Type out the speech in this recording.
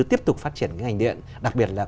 tiếp tục phát triển cái ngành điện đặc biệt là